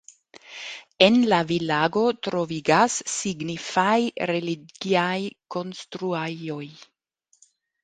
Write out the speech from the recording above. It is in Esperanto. En la vilaĝo troviĝas signifaj religiaj konstruaĵoj.